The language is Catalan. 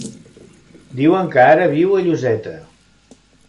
Diuen que ara viu a Lloseta.